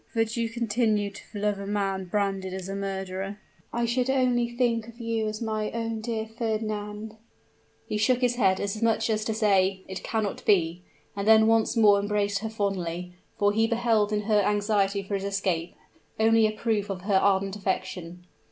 "Would you continue to love a man branded as a murderer?" "I should only think of you as my own dear Fernand!" He shook his head as much as to say, "It cannot be!" and then once more embraced her fondly for he beheld, in her anxiety for his escape, only a proof of her ardent affection.